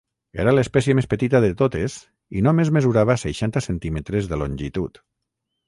Era l'espècie més petita de totes i només mesurava seixanta centímetres de longitud.